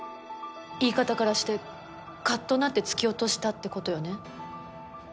言い方からしてカッとなって突き落としたって事よね？